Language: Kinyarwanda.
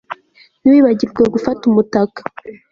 Ntiwibagirwe gufata umutaka